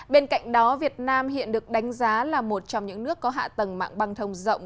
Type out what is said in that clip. bên cạnh đó việt nam hiện được đánh giá là một trong những nước có hạ tầng mạng băng thông rộng